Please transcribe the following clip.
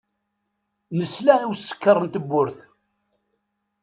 Nesla i usekkeṛ n tewwurt.